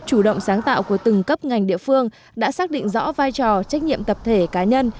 chủ động sáng tạo của từng cấp ngành địa phương đã xác định rõ vai trò trách nhiệm tập thể cá nhân